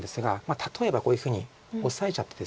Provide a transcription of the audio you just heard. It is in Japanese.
例えばこういうふうにオサえちゃってですね。